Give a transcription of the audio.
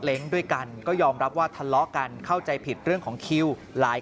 ด้วยกันก็ยอมรับว่าทะเลาะกันเข้าใจผิดเรื่องของคิวหลาย